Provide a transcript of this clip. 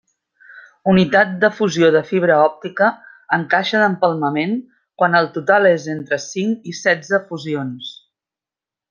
Unitat de fusió de fibra òptica en caixa d'empalmament quan el total és entre cinc i setze fusions.